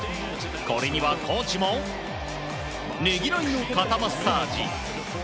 これには、コーチもねぎらいの肩マッサージ。